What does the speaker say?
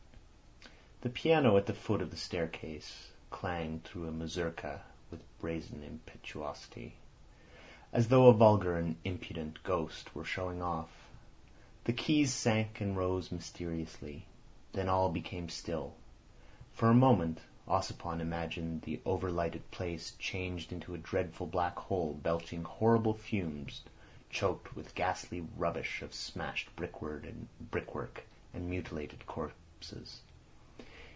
The piano at the foot of the staircase clanged through a mazurka with brazen impetuosity, as though a vulgar and impudent ghost were showing off. The keys sank and rose mysteriously. Then all became still. For a moment Ossipon imagined the overlighted place changed into a dreadful black hole belching horrible fumes choked with ghastly rubbish of smashed brickwork and mutilated corpses.